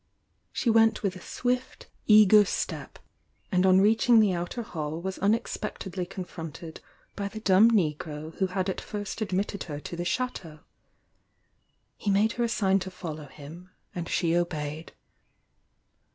She went with a swift, eager step, and on reach ing the outer hall was unexpectedly confronted by the dumb negro who had at first admitted her to the Chateau. He made her a sign to follow him, and she obeyed.